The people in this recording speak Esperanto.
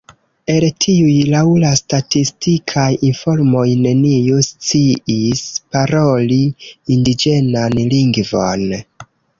El tiuj laŭ la statistikaj informoj neniu sciis paroli indiĝenan lingvon.